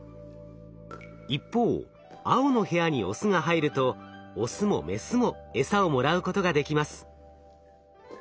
一方青の部屋にオスが入るとオスもメスもエサをもらうことができます。